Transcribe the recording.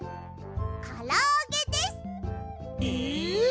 からあげです！え！？